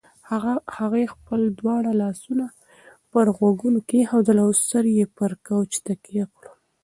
هغې خپل دواړه لاسونه پر غوږونو کېښودل او سر یې پر کوچ تکیه کړ.